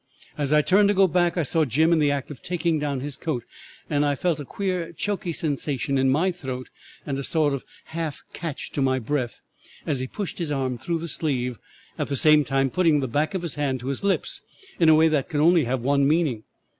As I turned to go back, I saw Jim in the act of taking down his coat, and I felt a queer choky sensation in my throat and a sort of half catch to my breath as he pushed his arm through the sleeve, at the same time putting the back of his hand to his lips in a way that could only have one meaning.